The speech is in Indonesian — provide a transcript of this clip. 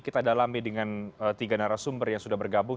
kita dalami dengan tiga narasumber yang sudah bergabung